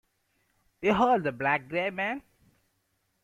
'Behold the black gray man!'.